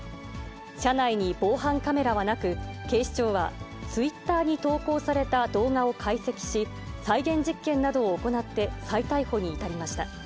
車内に防犯カメラはなく、警視庁は、ツイッターに投稿された動画を解析し、再現実験などを行って、再逮捕に至りました。